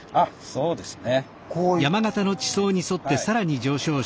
そうですね。